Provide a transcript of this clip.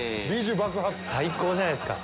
最高じゃないっすか。